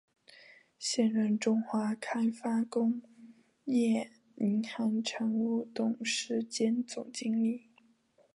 现任中华开发工业银行常务董事兼总经理。